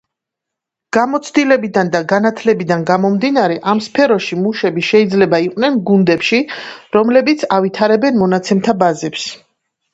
გამოცდილებიდან და განათლებიდან გამომდინარე, ამ სფეროში მუშები შეიძლება იყვნენ გუნდებში, რომლებიც ავითარებენ მონაცემთა ბაზებს.